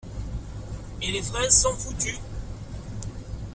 Et les fraises sont foutues.